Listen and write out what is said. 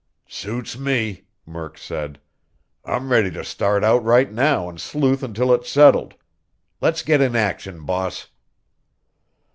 "Suits me!" Murk said. "I'm ready to start out right now and sleuth until it's settled. Let's get in action, boss!"